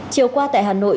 chiều qua tại hà nội